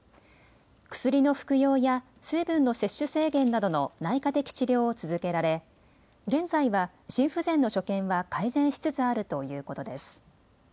薬の服用や水分の摂取制限などの内科的治療を続けられ現在は心不全の所見は改善しつつあるということです。